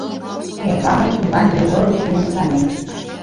Эрла мый Иван Егорович дене мутланем.